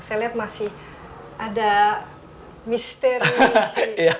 saya lihat masih ada misteri